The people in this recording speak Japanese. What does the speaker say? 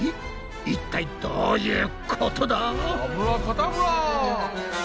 一体どういうことだ？